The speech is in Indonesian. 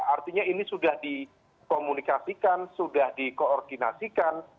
artinya ini sudah dikomunikasikan sudah dikoordinasikan